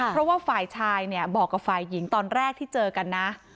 เพราะว่าฝ่ายชายเนี่ยบอกกับฝ่ายหญิงตอนแรกที่เจอกันนะ